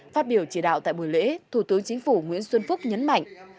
phát biểu chỉ đạo tại buổi lễ thủ tướng chính phủ nguyễn xuân phúc nhấn mạnh